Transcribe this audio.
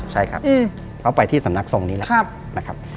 ใช่ครับเขาไปที่สำนักทรงนี้แล้วนะครับ